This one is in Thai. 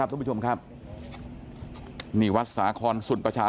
เสียใจ